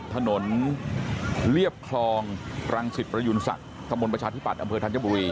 ถนนเรียบคลองรังสิตประยุณศักดิ์ตำบลประชาธิปัตย์อำเภอธัญบุรี